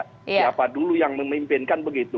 siapa dulu yang memimpinkan begitu